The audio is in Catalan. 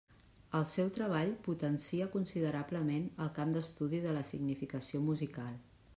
El seu treball potencia considerablement el camp d'estudi de la significació musical.